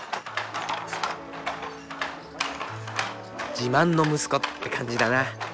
自慢の息子って感じだな。